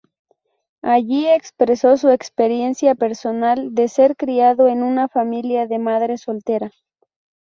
Allí expresó su experiencia personal de ser criado en una familia de madre soltera.